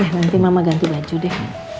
nanti mama ganti baju deh